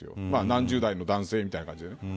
何十代の男性みたいな感じでね。